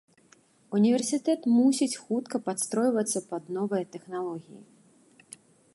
Універсітэт мусіць хутка падстройвацца пад новыя тэхналогіі.